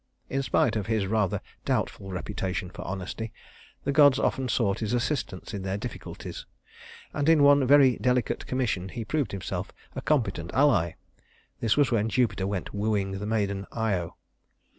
In spite of his rather doubtful reputation for honesty, the gods often sought his assistance in their difficulties; and in one very delicate commission he proved himself a competent ally. This was when Jupiter went wooing the maiden Io.